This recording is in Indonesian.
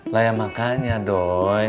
lah ya makanya doi